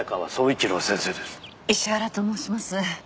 石原と申します。